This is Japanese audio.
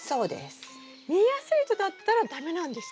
見えやすい糸だったら駄目なんですか？